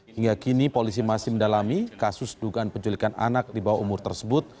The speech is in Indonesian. hingga kini polisi masih mendalami kasus dugaan penculikan anak di bawah umur tersebut